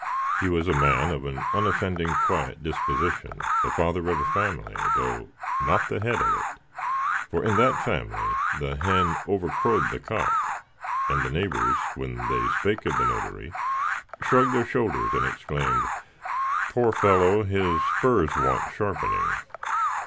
He was a man of an unoffending, quiet disposition; the father of a family, though not the head of it for in that family "the hen overcrowed the cock," and the neighbors, when they spake of the notary, shrugged their shoulders, and exclaimed, "Poor fellow! his spurs want sharpening."